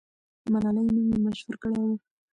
ملالۍ نوم یې مشهور کړی وو.